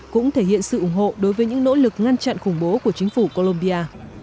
cũng thể hiện sự ủng hộ đối với những nỗ lực ngăn chặn khủng bố của chính phủ colombia